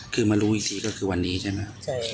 คือมารู้อีกทีก็คือวันนี้ใช่ไหม